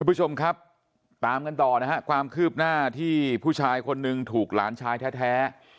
คุณผู้ชมครับตามกันต่อนะฮะความคืบหน้าที่ผู้ชายคนหนึ่งถูกหลานชายแท้